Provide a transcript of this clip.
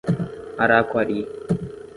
Araquari